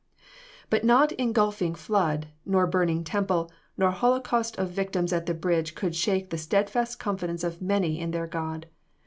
But not engulfing flood, nor burning temple, nor holocaust of victims at the bridge could shake the steadfast confidence of many in their God.